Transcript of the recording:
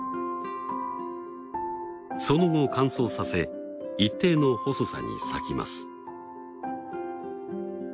その後乾燥させ一定の細さに裂きます。